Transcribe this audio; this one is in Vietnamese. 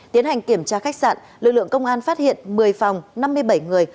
tiến hành kiểm tra khách sạn lực lượng công an phát hiện một mươi phòng năm mươi bảy người